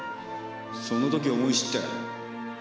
その時思い知ったよ。